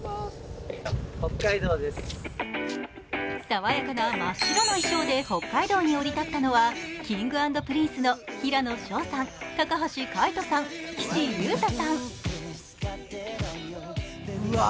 さわやかな真っ白の衣装で北海道に降り立ったのは、Ｋｉｎｇ＆Ｐｒｉｎｃｅの平野紫耀さん、高橋海人さん、岸優太さん。